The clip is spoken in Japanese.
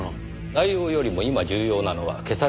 内容よりも今重要なのは消された日時です。